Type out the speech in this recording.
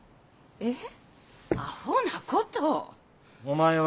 えっ？